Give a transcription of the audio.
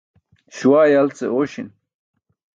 Śuwaa yal ce oośin.